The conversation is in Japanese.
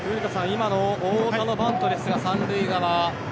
今の太田のバントですが３塁側。